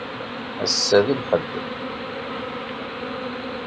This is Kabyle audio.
Ass-a d Lḥedd.